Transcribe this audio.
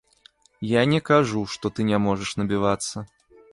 Я не кажу, што ты не можаш набівацца.